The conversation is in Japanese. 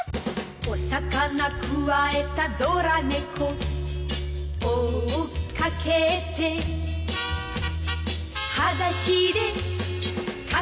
「お魚くわえたドラ猫」「追っかけて」「はだしでかけてく」